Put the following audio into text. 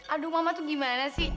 aduh mama tuh gimana sih